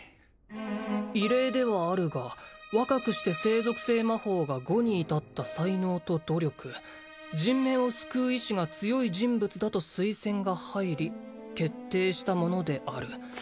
「異例ではあるが若くして」「聖属性魔法が５に至った才能と努力」「人命を救う意志が強い人物だと推薦が入り」「決定したものである」